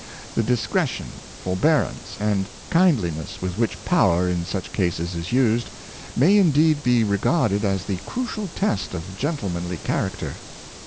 The discre tion, forbearance, and kindliness with which power in such cases is used, may indeed be regarded as the crucial test of gentlemanly character.